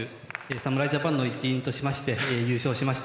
侍ジャパンの一員として優勝しました